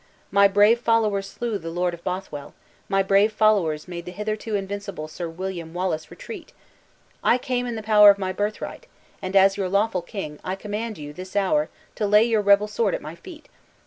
My brave followers slew the Lord of Bothwell; my brave followers made the hitherto invincible Sir William Wallace retreat! I came in the power of my birthright; and, as your lawful king, I command you, this hour, to lay your rebel sword at my feet.